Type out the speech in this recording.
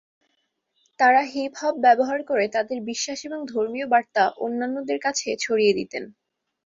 তারা হিপ-হপ ব্যবহার করে তাদের বিশ্বাস এবং ধর্মীয় বার্তা অন্যান্যদের কাছে ছড়িয়ে দিতেন।